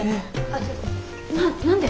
ちょっとな何で？